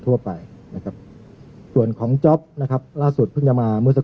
ทั่วไปนะครับส่วนของจ๊อปนะครับล่าสุดเพิ่งจะมาเมื่อสัก